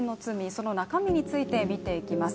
その中身について見ていきます。